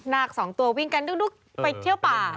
ค๒ตัววิ่งกันดุ๊กไปเที่ยวป่า